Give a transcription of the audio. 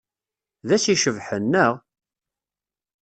D ass icebḥen, naɣ?